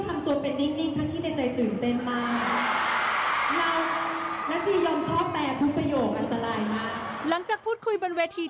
แต่พอมาที่ไม่ได้ใครมาเจอกับเป็นแฟนชาวไทยแล้วเนี่ย